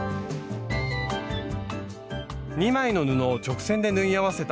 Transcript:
２枚の布を直線で縫い合わせた